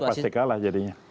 tiga pasti kalah jadinya